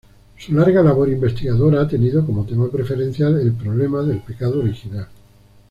Su larga labor investigadora ha tenido como tema preferencial el "problema del pecado original".